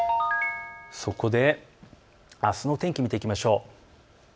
そこであすの天気を見ていきましょう。